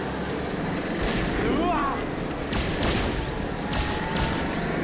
うわっ！